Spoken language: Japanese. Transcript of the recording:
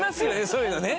そういうのね。